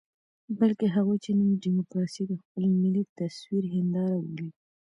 بلکې هغوی چې نن ډيموکراسي د خپل ملي تصوير هنداره بولي.